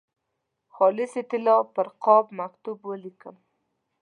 خالصې طلا پر قاب مکتوب ولیکم.